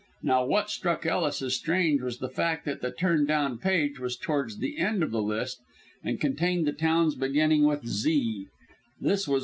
Now, what struck Ellis as strange was the fact that the turned down page was towards the end of the list, and contained the towns beginning with "Z."